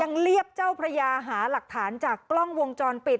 เรียบเจ้าพระยาหาหลักฐานจากกล้องวงจรปิด